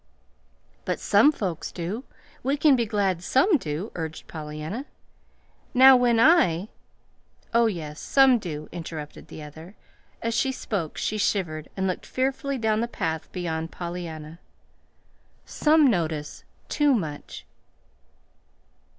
"But some folks do. We can be glad some do," urged Pollyanna. "Now when I " "Oh, yes, some do," interrupted the other. As she spoke she shivered and looked fearfully down the path beyond Pollyanna. "Some notice too much."